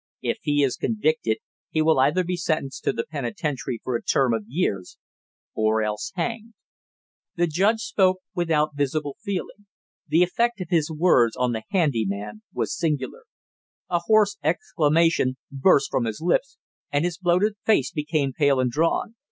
"If he is convicted, he will either be sentenced to the penitentiary for a term of years or else hanged." The judge spoke without visible feeling. The effect of his words on the handy man was singular. A hoarse exclamation burst from his lips, and his bloated face became pale and drawn.